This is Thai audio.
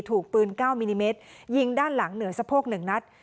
ถูกปืน๙มิลลิเมตรยิงด้านหลังเหนือสะโพก๑นัด